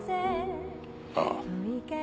ああ。